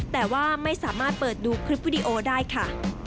แต่ว่าไม่สามารถเปิดดูคลิปวิดีโอได้ค่ะ